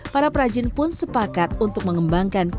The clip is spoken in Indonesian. para perajin pun sepakat untuk mengembangkan